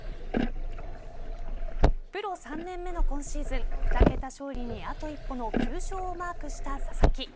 プロ３年目の今シーズン２桁勝利にあと一歩の９勝をマークした佐々木。